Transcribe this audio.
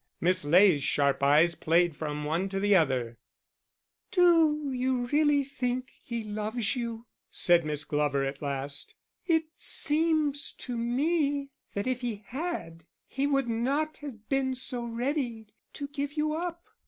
Miss Ley's sharp eyes played from one to the other. "Do you think he really loves you?" said Miss Glover, at last. "It seems to me that if he had, he would not have been so ready to give you up."